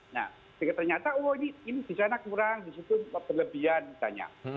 nah ternyata oh ini di sana kurang di situ berlebihan misalnya